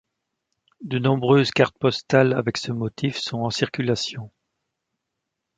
De nombreuses cartes postales avec ce motif sont en circulation.